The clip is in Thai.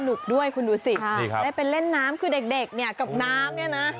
น้องก็สนุกด้วยคุณดูสิได้เป็นเล่นน้ำคือเด็กเนี่ยกับน้ำเนี่ยนะ